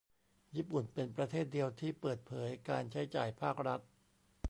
ญี่ปุ่นเป็นประเทศเดียวที่เปิดเผยการใช้จ่ายภาครัฐ